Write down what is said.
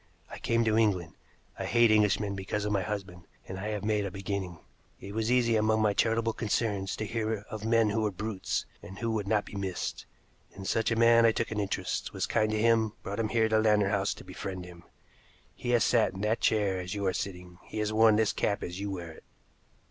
I came to England. I hate Englishmen because of my husband, and I have made a beginning. It was easy among my charitable concerns to hear of men who were brutes, and who would not be missed. In such a man I took an interest, was kind to him, brought him here to Lantern House to befriend him. He has sat in that chair as you are sitting, he has worn this cap as you wear it.